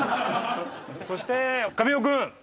そして神尾君。